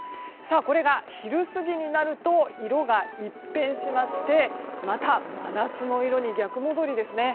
これが昼過ぎになると色が一変しましてまた真夏の色に逆戻りですね。